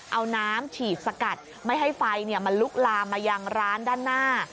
เอาน้ำฉีดสกัดไม่ให้ไฟมันลุกลามมายังร้านด้านหน้า